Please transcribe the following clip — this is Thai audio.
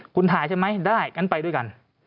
คุณถ่ายใช่ไหมได้งั้นไปด้วยกัน